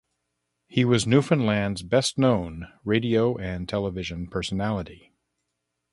He was Newfoundland's best known radio and television personality.